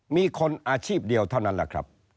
มีคนอาชีพเดียวเท่านั้นแหละครับ